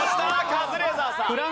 カズレーザーさん。